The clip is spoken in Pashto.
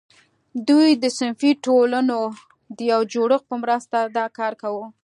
دوی د صنفي ټولنو د یو جوړښت په مرسته دا کار کاوه.